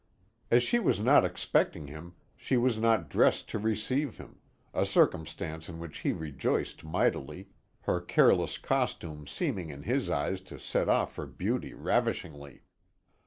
As she was not expecting him, she was not dressed to receive him, a circumstance in which he rejoiced mightily, her careless costume seeming in his eyes to set off her beauty ravishingly.